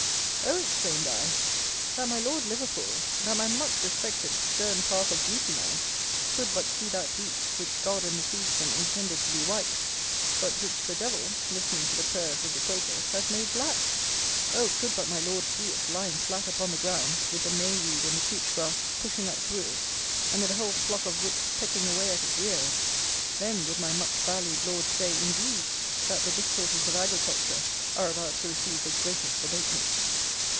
"Oh!" exclaimed I, "that my Lord Liverpool, that my much respected stern path of duty man, could but see that wheat, which God and the seedsman intended to be white; but which the Devil (listening to the prayers of the Quakers) has made black! Oh! could but my Lord see it, lying flat upon the ground, with the May weed and the Couch grass pushing up through it, and with a whole flock of rooks pecking away at its ears! Then would my much valued Lord say, indeed, that the 'difficulties' of agriculture are about to receive the 'greatest abatement!'"